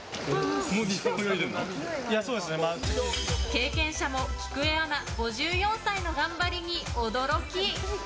経験者もきくえアナ５４歳の頑張りに驚き。